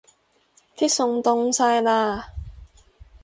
啲餸凍晒喇